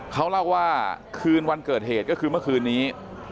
เขาเล่าว่าคืนวันเกิดเหตุก็คือเมื่อคืนนี้